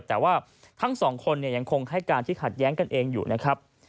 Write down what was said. แต่ว่าทั้งสองคนยังคงให้การที่ขัดแย้งกันเองอยู่นะครับ